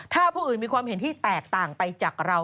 ถ้าพวกมีความเห็นที่แตกต่างไปจากเรา